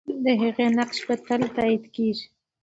د هغې نقش به تل تایید کېږي.